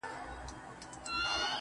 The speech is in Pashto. • دا ستا شعرونه مي د زړه آواز دى.